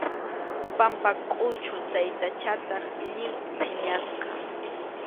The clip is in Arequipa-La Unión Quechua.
Pampakʼuchu taytachataq lliw phiñasqa.